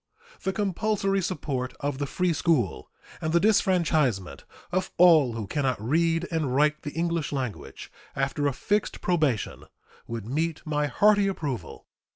The compulsory support of the free school and the disfranchisement of all who can not read and write the English language, after a fixed probation, would meet my hearty approval.